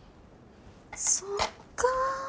そっかぁ。